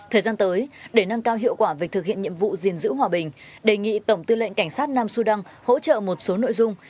thời gian tới để nâng cao hiệu quả về thực hiện nhiệm vụ gìn giữ hòa bình đề nghị tổng tư lệnh cảnh sát nam sudan hỗ trợ một số nội dung